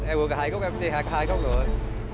em uống cả hai cốc em chê cả hai cốc rồi